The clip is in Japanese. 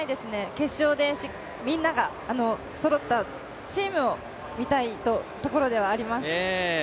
決勝でみんながそろったチームを見たいところではあります。